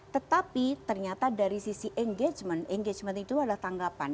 tetapi ternyata dari sisi engagement engagement itu adalah tanggapan